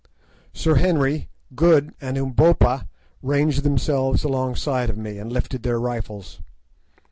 Sir Henry, Good, and Umbopa ranged themselves alongside of me, and lifted their rifles.